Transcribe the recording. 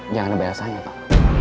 yang ada biasanya pak